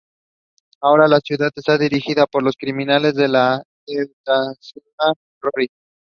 Medically, when used on its own, the term seizure implies an epileptic seizure.